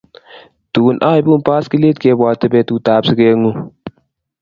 Tun aibun baiskelet kebwati betut ab siket ngung